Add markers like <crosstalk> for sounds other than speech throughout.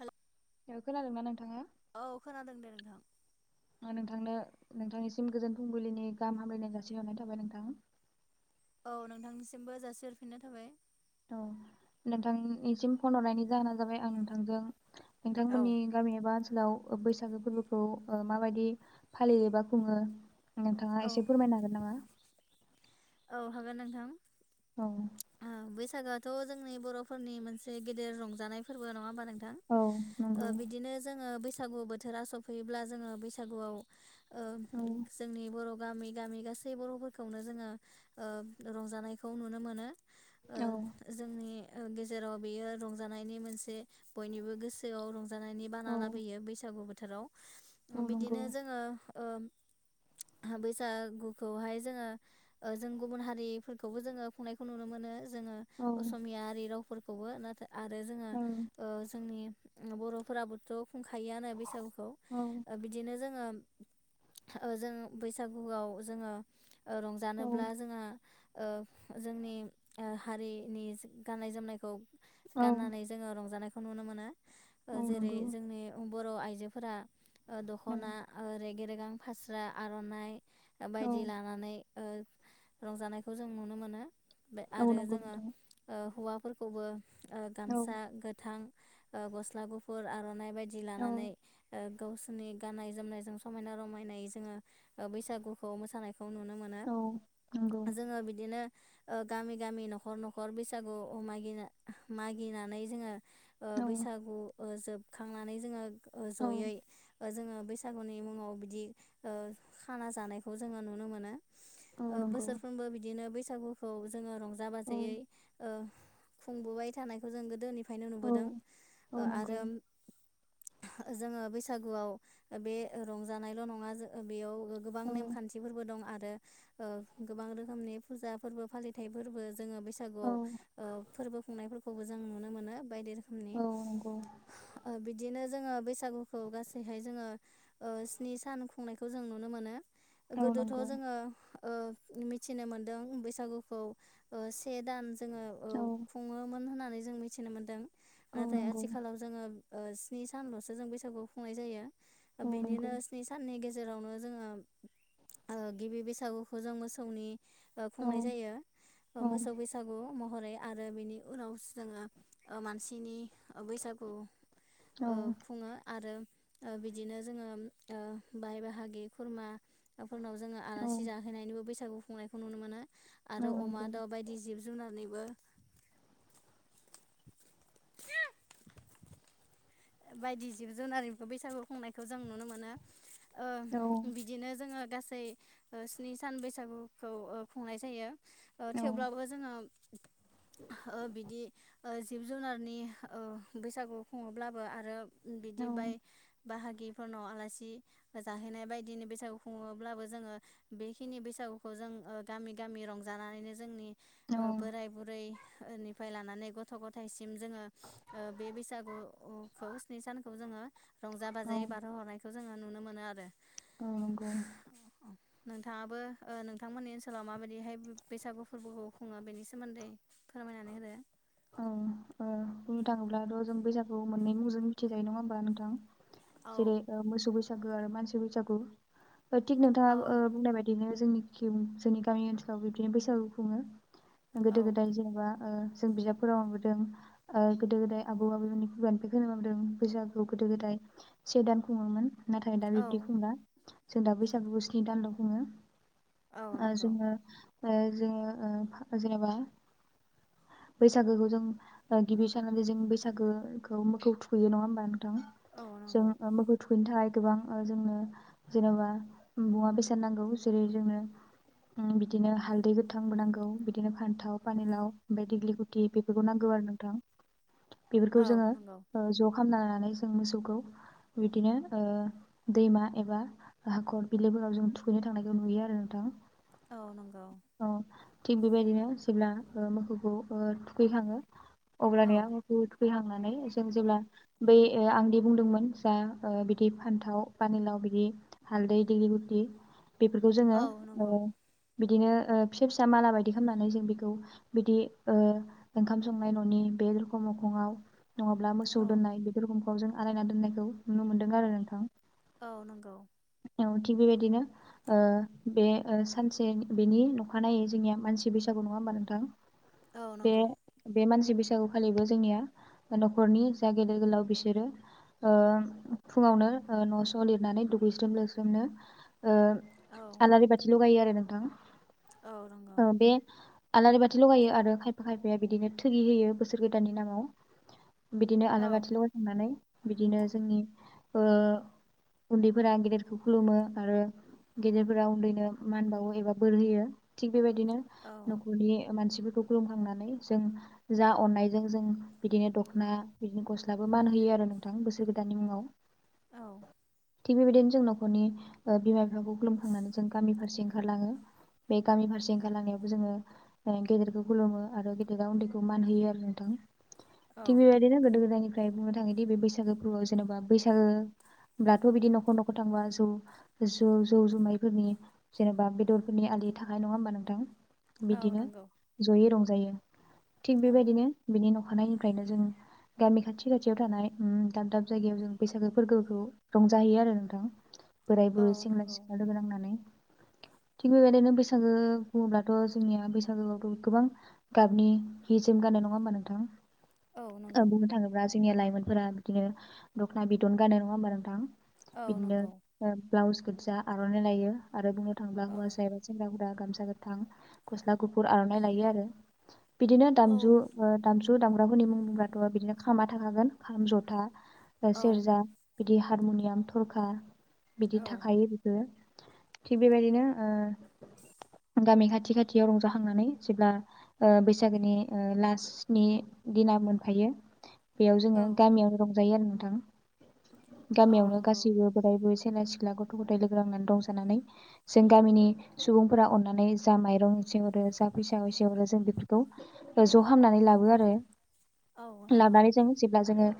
हेल खोनादोंना नों नोंथाङा औ खोनादों दे नोंथां नोंथांनो नोंथांनिसिम गोजोन फुंबिलिनि गाहाम हामलायनाय जासिहरनाय थाबाय नोंथां औ नोंथांनिसिमबो जासिहरफिननाय थाबाय औ नोंथांनिसिम फन हरनायनि जाहोनानो जाबाय आं नोंथांजों औ नोंथांमोननि गामि एबा ओनस लाव बैसागो फोरबोखौ माबायदि फालियोबा खुङो? नोंथाङा औ एसे फोरमायनो हागोन नामा? औ हागोन नोंथां औ आ बैसागोआथ' जोंनि बर'फोरनि मोनसे गेदेर रंजानाय फोरबो नङा होमबा नोंथां औ ओ नंगौ बिदिनो जोङो बैसागु बोथोरा सफैयोब्ला जोङो बैसागुआव अ औ जोंनि बर' गामि गामि गासै बर'फोरखौनो जोङो रंजानायखौ नुनो मोनो। ओ औ जोंनि ओ गेजेराव बेयो रंजानायनि मोनसे बयनिबो गोसोआव रंज जानायनि बाना औ लाबोयो बैसागु बो थोराव औ नंगौ बिदिनो जोङो बैसागुखौहाय जोङो जों गुबुन हारिफोरखौबो जोङो खुंनायखौ खौ नुनो मोनो। जोङो औ असमियारि राव फोरखौबो नाथाय आरो जोङो औ जोंनि बर'फोरा बोथ' खुंखायोआनो बैसागुखौ औ बिदिनो जोङो ओ जों बैसागुआव जोङो औ रंजानोब्ला जोङो ओ जोंनि हारिनि गाननाय जोमनायखौ औ गाननानै जोङो रंजानायखौ नुनो मोनो। औ जेरै नंगौ जोंनि बर' आइजोफोरा औ दख'ना रेगे रे सिगां फास्रा आर'नाइ औ बायदि लानानै रंजानायखौ जों नुनो मोनो। औ आरो नंगौ जोङो नोंथां हौवा फोरखौबो औ गामसा गोथां गस्ला गुफुर आरन नाय बायदि औ लानानै गावसोरनि गाननाय जोमनायजों समायना रमायनायै जोङो बैसागुखौ मोसानायखौ खौ नुनो मोनो औ नंगौ जोङो बिदिनो ओ गामि गामि न'खर न'खर बैसागु मागिना मागिनानै जोङो ओ औ बैसागु ओ जोबखांनानै जोंङो ओ औ ज'यै ओ जोंङो बैसागुनि मुंङाव बिदि ओ खाना जानायखौ जोंङो नुनो मोनो औ ओ नंगौ बोसोरफ्रोमबो बिदिनो बै <unintelligible> औ <unintelligible> खुंबोबाय थानायखौ जों गोदोनि फायनो औ नुबोदों ओ औ नंगौ आरो <unintelligible> गो गोबां औ नेमखान्थिफोरबो दं आ रो ओ गोबां रोखोमनि फुजा फोरबो फालिथायाइ फोरबो जोंङो औ बैसागुआव ओ फोरबो खुंनायफोरखौबो जों नुनो मोनो बायदि औ नंगौ <unintelligible> जोङो बैसागुखौ गासैहाय जोंङो स्नि सान खुंनायखौ जों नुनो मोनो औ गोदोथ' नंगौ जोंङो ओ मिथिनो मोन <unintelligible> से दान जोंङो औ खुंङोमोन होनना जों मिथिनो मोन्दों औ नाथाय नंगौ आथिखालाव जोंङो ओ स्नि सानल'सो जों बैसागु खुंनाय जायो औ नंगौ बेनिनो स्नि साननि गेज जेरावनो जोङो ओ गिबि बैसागुखौ जों मोसौनि ओ औ खुंनाय जायो औ मोसौ बैसागु महरै आरो बिनि उनाव जोंङो ओ मानसिनि बैसागु औ खुंङो आरो ओ बिदिनो जोङो ओ बाय बाहागि खुरमा फोरनाव जोंङो औ आलासि जाहैनायनिबो बैसागु खुंनायखौ नुनो मोनो आरो अमा नंगौ दाउ बायदि जिब जुनारनि <inaudible> बायदि जिब जुनार बैसागु खुंनायखौ जों नुनो मोनो ओ औ बिदिनो जोंङो गासै स्नि सान बैसागुखौ खुंनाय जायो औ थेवब्लाबो जोङो ओ बिदि जिब जुनारनि ओ बैसागु खुङोब्ला बो आरो औ बिदिबाय बाहागिफोरनाव आलासि जाहैनाय बायदिनि बैसागु खुङोब्लाबो जोङो बेखिनि बैसागुखौ जों ओ गामि गामि रंजानानैनो जोंनि औ ओ नंगौ बोराय बुरै निफ्राय लानानै गथ' गथायसिम जोङो ओ बे बैसागु खौ स्नि सानखौ जोङो रंजा बाजायै बारह हरनाय बे खौखौ जोङो नुनो मोनो आरो औ नंगै नोंथाङाबो ओ नोंथांमोननि ओनसोलाव माबायदिहाय बैसागु फोरबोखौ खुङो बेनि सोमोन्दै फोरमायनानै होदो औ ओ बुंनो थाङोब्लाथ' जों बैसागु मोननै मुंजों मिथिजायो नङा होमबा नोंथां औ जेर ओ मोसबो जागो आरो मानसिबो जागो थिग नोंथाङा औ ओ बुंनाय बायदिनो जोंनि जोंनि गामि ओनसोलाव बिबदिनो बैसागु खुङो औ गोदो गोदाय जेनेबा ओ जों बिजाब फोराव मबोदों गोदो गोदाय आबौ आबौमोननि खुगानिफ्राय खोनबोदों बैसागु गोदो गोदाय से दान खुङोमोन नाथाय दा बिब्दि औ खमला जों दा बैसागुखौ स्नि दानल' बुङो औ आरो नंगौ जोङो ओ जोङो ओ जेनेबा बैसागोखौ जों गिबि साननानै जे जों बैसागोखौ मोखौ थुैयो नङा होमबा औ जों नंगौ मोखौ थुखैनो थाखाय गोबां जोंनो जेनेबा मुवा बेसाद नांगौ जेरै जोंनो बिदिनो हालदै गोथांबो नांगौ बिदिनो फान्थाव फानिलाव बफ्राय देग्लि गोथ थि बेफोरखौ नांगौ आरो नोंथां बेफोरखौ औ जोङो नंगौ ज' खालामना लनानै जों मोसौखौ बिदिनो दैमा एबा हाखर बिलोफोराव जों थुखैनो थांनायखौ नुयो आरो नोंथां औ नंगौ औ थिग बेबायदिनो जेब्ला मोसौखौ थुखैखाङो औ अब्लानिया बुहुद फैहांनानै जों जेब्ला बै आंदि बुंदोंमोन जा बिदि फान्थाव पानिलाव बिदि हालदै दिलि लिति बेफोरखौ जोङो औ नंगौ ओ बिदिनो ओ फिसा फिसा माला बायदि खालामनानै जों बेखौ बिदि ओओंखाम संनाय न'नि बे दरखं मोखाङाव नङाब्ला मोसौ औ दोननाय बेदि रोखोम गनजों आलायना दोन्नायखौ नुनो मोन्दों आरो नोंथां। औ नंगौ औ थिग बेबायदिनो ओ बे ओ सानसे बेनि अखानायै जोंनिया मानसि बैसागु नङा होमबा नोंथां? औ बे नंगौ बे मानसि बैसा सागु खालिबो जोंनिया न'खरनि जा गेदेर गोलाव बिसोरो ओ फुङावनो न' स' लिरनानै दुगैस्रोम लोस्रोमनो ओ औ आलारि बाथि ल'गायो आरो नोंथां औ नंगौ ओ बे आलारि बाथि लगायो आरो खाय फा खायफाया बिदिनो थगि होयो बोसोर गोदाननि नामाव बिदिनो औ आलारिबाथि लगायखांनानै बिदिनो जोंनि ओ उन्दैफोरा गेदेरखौ खुलुमो आरो गेदेरफोरा उन्दैनो मान बावो एबा बोर होयो थिग बेबायदिनो औ न'खरनि मानसिफोरखौ खुलुमखांना नै जों जा अननायजों जों बिदिनो दख'ना बिदिनो गस्लाबो मान होयो आरो नोंथां बोसोर गोदाननि मुङाव। औ थिग बेबायदिनो जों न'खरनि बिमा बिफाखौ खुलुमखांनानै जों गामि फारसे ओंखारलाङो। बे गामि फारसे ओंखारलांनायावबो जोङो ओ गेदेरखौ खुलुमो। आरो गेदेरा उन्दैखौ मान होयो आरो नोंथां औ थिग बेबायदिनो गोदो गोदाय आमफ्राय बुंनो थाङोदि बे बैसागो फोरबोआव जेनेबा बैसागोब्लाथ' बिदि न'खर न'खर थांबा जौ ज जौ जुमायफोरनि जेन'बा बेदरफोरनि आलि थाखाय नङा होमबा नोंथां। औ बिदिनो नंगौ जयै रं जायो थिग औ बेबायदिनो बिनि न' अखानायनिफ्रायनो जों गामि खाथि खाथियाव थानाय उम दाब दाब जायगायाव जों बैसागो फोरबोखौ रंजाहैयो आरो नोंथां बोराय औ बुरै सेंग्रा नंगौ सिख्ला लोगो नांनानै थिग बेबायदिनो बैसागो बुङोब्लाथ' जोंनिया बैसागोआवथ' गोबां गाबनि हि जोम गानो नङा होमबा नोंथां? औ ओ नंगौ बुंनो थांङोब्ला जो जोंनिया लाइमोनफोरा बिदिनो दख'ना बिदन गानो नङा होमबा नोंथां! औ बिदिनो नंगौ ओ ब्लाउस गोजा आर'नाइ लइायो आरो बुंनो थांब्ला औ हौवासाया बा सेंगाफ्रा गामसा गोथां गस्ला गुफुर आर'नाइ लायो आरो बिदिनो औ दामजु ओ दामजु जु दामग्राफोरनि मुंआथ' बिदिनो खामा थाखागोन खाम जथा औ सेरजा बिदि हारमुनियाम थरखा बिदि थाखाय बिखौ थिग बेबायदिनो ओ गामि खाथि खाथियाव रंजाखांनानै जेब्ला बैसागोनि लासनि दिना मोनफायो। बेयाव जोङो गामियावनो आरो नोंथां औ गामियावनो नंगौ गासैबो बोराय बुरै सेंग्रा सिख्ला गथ' गथाय लोगो लांनानै रंजानानै जों गामिनि सुबुंफोरा अननानै जा माइरं एसे हरो जा फैसा एसे हरो जों खौ ज' हामनानै लाबो आरो। औ नंगौ लाबनानै जों जेब्ला जोङो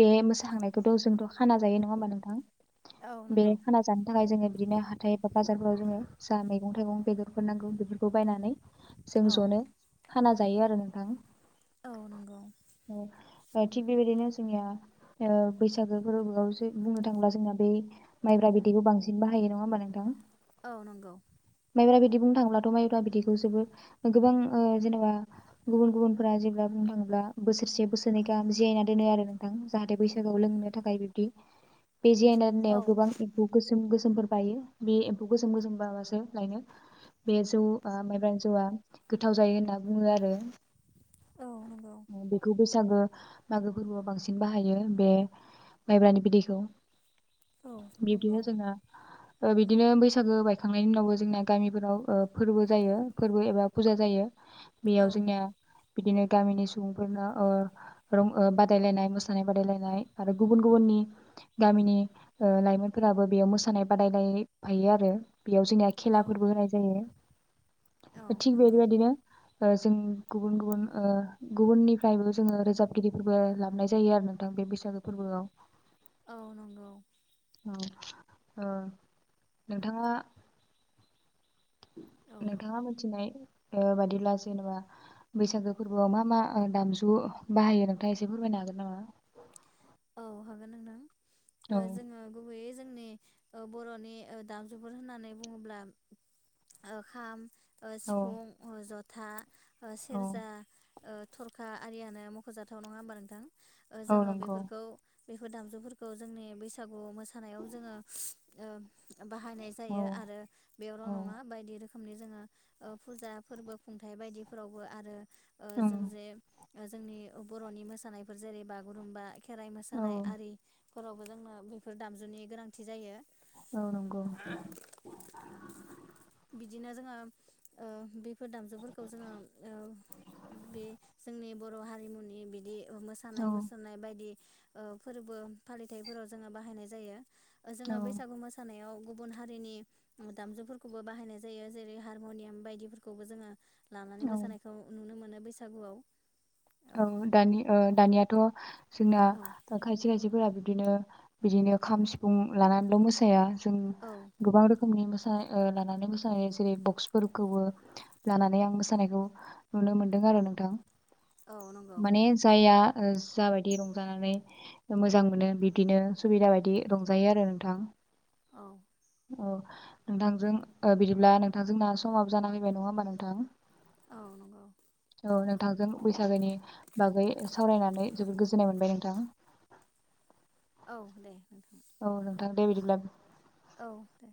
बे मोसाखांनायखौथ' जोंथ' खाना जायो नङा होमबा नोंथां औ बे नंगौ खाना जानो थाखाय जोङो बिदिनो हाथाइ बा बाजारफोराव जोङो जा मैगं थाइगं बेदरफोर नांगौ बे बेखौ बायनानै जों औ ज'नो खाना जायो आरो नोंथां। औ नंगौ। औ थिग बेबायदिनो जोंनिया ओ बैसागो फोरबोआवसो बुंनो थांब्ला जोंनाया बै माइब्रा बिदैखौ बांसिन बाहायो नङा होमबा नोंथां। औ नंगौ। माइब्रा बिदि बुंनो थांब्लाथ' माइब्रा बिदिखौ जोबो गोबां जेनेबा गुबुन गुबुनफोरा जेब्ला बुंनो थाङोब्ला बोसोरसे बोसोरनै गाहाम जिरायना दोनो आरो नोंथां जाहाथे बैसागुआव लोंनो थाखाय बिबदि बेजि होनो होननायाव औ दोननायाव गोबां एम्फौ गोसोम गोसोम बायो बे एम्फौ गोजोंम गोजोंम बाबासो लायनो बे जौ आ माइब्रानो जौआ गोथाव जायो होनो। बुङो आरो औ नंगौ बेखौ बैसागो मागो फोरबोआव बांसिन बाहायो बे माइब्रानि बिदैखौ औ बिब्दिनो नंगौ जोङो ओ बिदिनो बैसागो बायखांनायनि उनावबो जोंना गामिफोराव फोरबो जायो फोरबो एबा फुजा जायो। बेयाव औ जोंनिआ बिदिनो गामिनि सुबुंफोरनो ओ रं बादायलायनाय मोसानाय बादायलायनाय आरो गुबुन गुबुननि गामिनि ओ लाइमोनफोराबो बेयाव मोसानाय बादायलायफायो आरो। बेयाव जोंनिया औ खेलाफोरबो होनाय जायो। औ थिग बेदि नंगौ। बायदिनो जों गुबुन गुबुन ओ गुबुननिफ्रायबो जोङो रोजाबगिरिफोरबो लाबोनाय जायो आरो नोंथां बे बैसागो फोरबोआव औ नंगौ। औ नोंथाङा नोंथाङा मिथिनाय ओ बादिब्ला जेनेबा बैसागो फोरबोआव मा मा दामजु बाहायो नोंथाङा एसे फोरमायनो हागोन नामा औ हागोन नों नोंथां औ आ जोंङो गुबैयै जोंनि बर'नि दामजुफोर होननानै बुङोब्ला ओ खाम, औ सिफुं ज था ओ औ सेरजा ओ थरखा आरियानो मख'जाथाव नङा होमबा नोंथां। औ जोङो बे नंगौ बेफोर दामजुफोरखौ जोंनि बैसागु मोसानायाव जोङो ओ बाहायनाय औ जायो आरो बेयावल' औ नङा बायदि रोखोम रोखोमनि जोङो फुजा फोरबो खुंथाइ बायदिफोरावबो आरो ओ उम जों जे जोंनि बर'नि मोसानायफोर जेरै बागुरुम्बा खेराइ औ मोसानाय आरि फोरावबो जोंनो बेफोर दामजुनि गोनांथि जायो औ नंगौ बिदिनो जोङो ओ बेफोर दामजुफोरखौ जोङो बे जोंनि बर' हारिमुनि बिदि मोसानाय औ मुसुरनाय बायदि ओ फोरबो फालिथायफोराव जोङो बाहायनाय जायो। औ जोङो बैसागु मोसानायाव गुबुन हारिनि दामजुफोर खौबो बाहायनाय जायो जेरै हारम'नियाम बायदिफोरखौबो जोङो लानानै औ मोसानायखौ नुनो मोनो नो बैसागुआव औ दानि ओ दानिया द' जोंना औ दा खायसे खायसे फोरा बिदिनो बिदिनो खाम औ सिफुं लानानै ल मोसाया जों गोबां रोखोमनि मोसा उम ओ लानानै मोसानाय जेरै बक्सफोरखौबो लानानै आं मोसानायखौ नुनो मोनदों आरो नोंथां औ नंगौ माने जाया। जाबायदि रंजानानै मोजां मोनो बिब्दिनो सुबिदा बायदि रंजायो आरो नोंथां औ। अ नोंथांजों ओ बिदिब्ला नोंथांजोंना समाबो जाना फैबाय नङा होमबा नोंथां? औ नंगौ औ नोंथांजों। बेनि बागै सावरायनानै जोबोद गोजोन्नाय मोनबाय नोंथां औ दे नोंथां। औ नोंथां दे बिदिब्ला। औ दे।